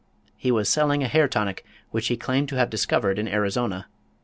He was selling a hair tonic, which he claimed to have discovered in Arizona.